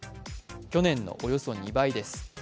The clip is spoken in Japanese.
去年のおよそ２倍です。